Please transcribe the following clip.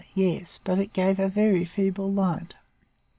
Yes, but it gave a very feeble light.